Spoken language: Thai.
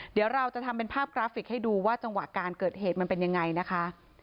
เดี๋ยวเราจะทำเป็นภาพกราฟิกให้ดูว่าจังหวะการเกิดเหตุมันเป็นยังไงนะคะ